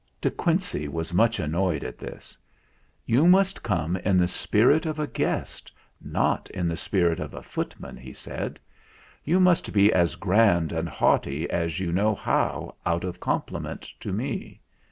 De Quincey was much annoyed at this. "You must come in the spirit of a guest, not in the spirit of a footman," he said. " You must be as grand and haughty as you know how out of compliment to me.